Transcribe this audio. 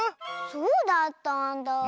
そうだったんだあ。